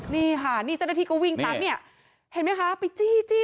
นี่ค่ะนี่เจ้าหน้าที่ก็วิ่งตามเนี่ยเห็นไหมคะไปจี้จี้